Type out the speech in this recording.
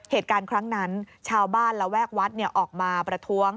เหตุการณ์ครั้งนั้นชาวบ้านระแวกวัดออกมาประท้วง